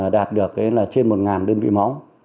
đạt được trên một đơn vị máu